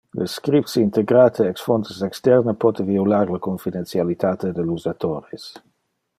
Le scripts integrate ex fontes externe pote violar le confidentialitate del usatores.